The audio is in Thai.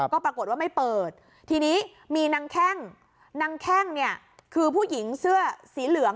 ก็ปรากฏว่าไม่เปิดทีนี้มีนางแข้งนางแข้งเนี่ยคือผู้หญิงเสื้อสีเหลือง